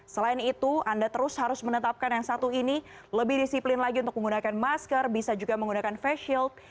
selain itu anda terus harus menetapkan yang satu ini lebih disiplin lagi untuk menggunakan masker bisa juga menggunakan face shield